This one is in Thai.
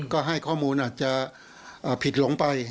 ก็ให้ข้อมูลอาจจะผิดหลงไป